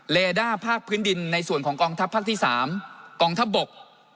เลด้าภาคพื้นดินในส่วนของกองทัพภาคที่๓กองทัพบก